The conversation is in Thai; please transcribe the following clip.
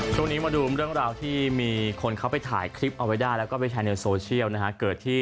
ช่วงนี้มาดูเรื่องราวที่มีคนเขาไปถ่ายคิดเอาไปได้แล้วก็ไปแชลเนิลโซเชียลนะคะเกิดที่